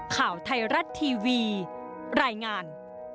ข่าวไทยรัฐทีวีรายงาน